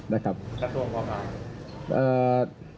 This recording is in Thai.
แล้วตัวพอพาน